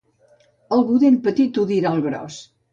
El budell petit ho dirà al gros.